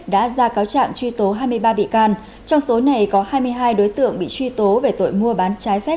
đã ra cáo trạng truy tố hai mươi ba bị can trong số này có hai mươi hai đối tượng bị truy tố về tội mua bán trái phép